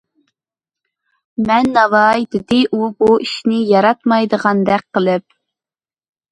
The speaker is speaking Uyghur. — مەن ناۋاي-دېدى ئۇ بۇ ئىشىنى ياراتمايدىغاندەك قىلىپ.